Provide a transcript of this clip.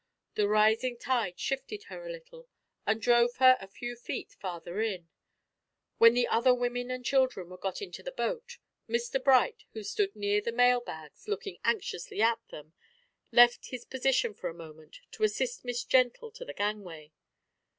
The rising tide shifted her a little, and drove her a few feet farther in. When the other women and children were got into the boat, Mr Bright, who stood near the mail bags looking anxiously at them, left his position for a moment to assist Miss Gentle to the gangway.